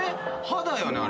歯だよね？